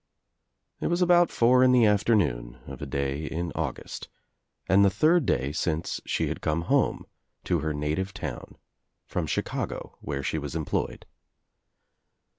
It was about four in the afternoon of a day in August, and the third day since she had come home to her native town from Chicago, where she was employed.